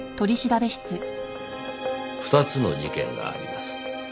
二つの事件があります。